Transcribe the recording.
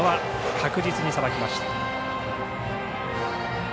確実にさばきました。